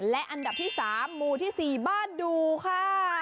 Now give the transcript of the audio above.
และอันดับที่๓หมู่ที่๔บ้านดูค่ะ